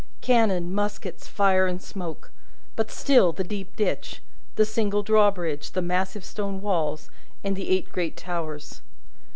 Cannon, muskets, fire and smoke; but, still the deep ditch, the single drawbridge, the massive stone walls, and the eight great towers.